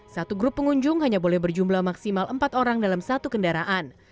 satu grup pengunjung hanya boleh berjumlah maksimal empat orang dalam satu kendaraan